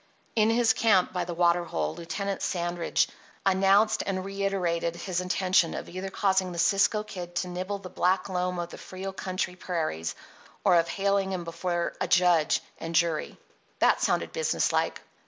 In his camp by the water hole Lieutenant Sandridge announced and reiterated his intention of either causing the Cisco Kid to nibble the black loam of the Frio country prairies or of haling him before a judge and jury. That sounded business like.